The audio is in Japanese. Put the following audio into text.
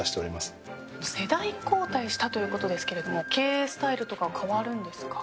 世代交代したということですけれども経営スタイルとか変わるんですか？